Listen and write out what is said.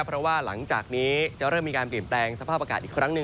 เพราะว่าหลังจากนี้จะเริ่มมีการเปลี่ยนแปลงสภาพอากาศอีกครั้งหนึ่ง